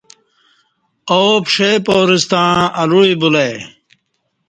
آو پݜئ پارہ ستع الوعی بُلہ ای